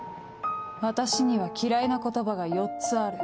私には嫌いな言葉が４つある。